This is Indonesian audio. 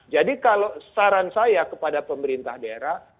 jadi kalau saran saya kepada pemerintah daerah